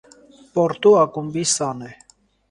«Պորտու» ակումբի սան է։